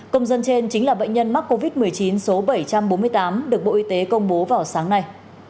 công dân trên chính là bệnh nhân mắc covid một mươi chín số bảy trăm bốn mươi tám được bộ y tế công bố vào sáng nay